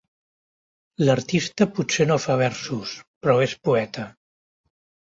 L'artista potser no fa versos, però és poeta.